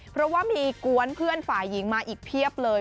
เพราะว่ามีกวนเพื่อนฝ่ายหญิงมาอีกเพียบเลย